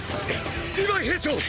リヴァイ兵長！！